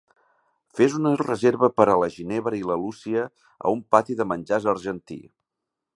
Fes una reserva per a la Ginebra i la Lucia a un pati de menjars argentí